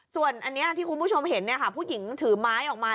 ส่วนอันนี้ที่คุณผู้ชมเห็นผู้หญิงถือไม้ออกมา